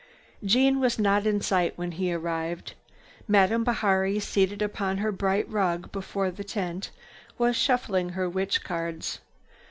Jeanne was not in sight when he arrived. Madame Bihari, seated upon her bright rug before the tent, was shuffling her witch cards.